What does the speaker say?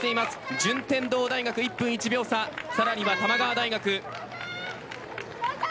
順天堂大学１分１秒差さらに玉川大学。